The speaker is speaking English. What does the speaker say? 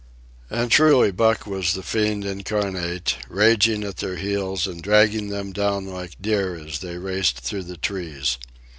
And truly Buck was the Fiend incarnate, raging at their heels and dragging them down like deer as they raced through the trees.